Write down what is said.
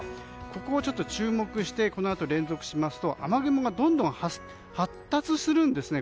ここを注目して、連続しますと雨雲がどんどん発達するんですね